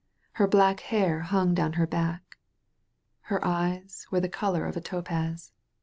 Her black hair hung down her back. Her eyes were the color of a topaz.